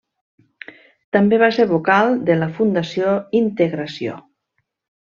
També va ser vocal de la Fundació Integració.